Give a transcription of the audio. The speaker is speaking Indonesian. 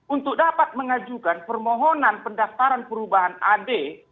untuk dapat mengajukan permohonan pendaftaran perubahan ad